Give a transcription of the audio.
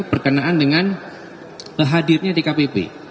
berkenaan dengan hadirnya dkpp